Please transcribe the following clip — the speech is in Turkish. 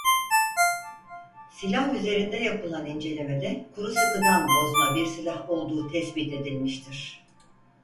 Silah üzerinde yapılan incelemede kuru sıkıdan bozma bir silah olduğu tespit edilmiştir.